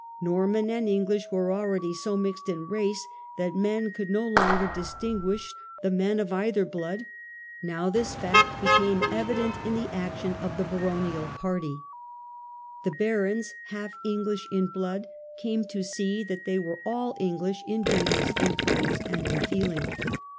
Norman and English were already so mixed in race that men could no longer distin guish the men of either blood ; now this fact became evident in the action of the baronial party. The barons, half English in blood, came to see that they were all English in duties, in claims, and in feeling.